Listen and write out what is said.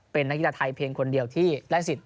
เป็นนักกีฬาไทยเพียงคนเดียวที่ได้สิทธิ